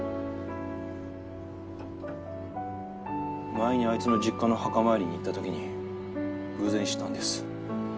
前にあいつの実家の墓参りに行った時に偶然知ったんです。